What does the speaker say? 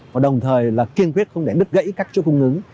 và đồng thời kiên quyết không để bứt gãy các chuỗi cung ứng